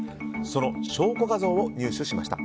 その証拠画像を入手しました。